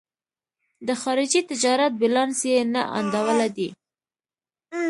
د خارجي تجارت بیلانس یې نا انډوله دی.